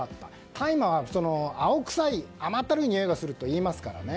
大麻は青臭い、甘ったるいにおいがするといいますからね。